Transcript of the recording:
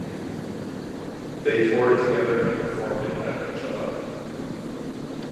They toured together and performed it at Coachella.